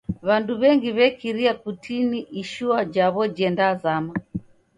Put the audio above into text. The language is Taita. W'andu w'engi w'ekiria kutini ishua jaw'o jendazama.